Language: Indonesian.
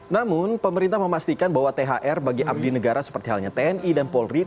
namun pemerintah memastikan bahwa thr bagi abdi negara seperti halnya tni dan polri